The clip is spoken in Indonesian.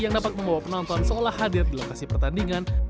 yang dapat membawa penonton seolah hadir di lokasi pertandingan